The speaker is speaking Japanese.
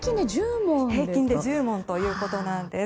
平均で１０問ということです。